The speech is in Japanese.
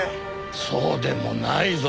そうでもないぞ。